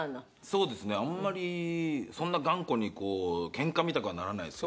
そうですねあんまりそんな頑固にこうケンカみたくはならないですね。